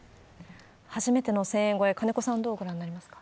初めての１０００円超え、金子さん、どうご覧になりますか？